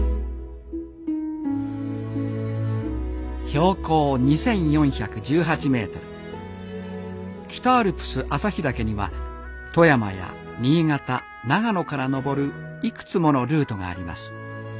標高２，４１８ｍ北アルプス朝日岳には富山や新潟長野から登るいくつものルートがあります。